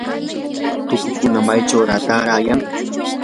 tukukuna machaychaw taarayan.